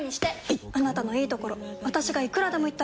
いっあなたのいいところ私がいくらでも言ってあげる！